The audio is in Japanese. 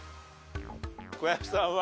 小籔さんは？